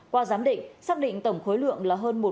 qua giám định xác định tổng khối lượng là hơn